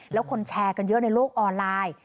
แล้วคนแชร์กันเยอะในโลกออนไลน์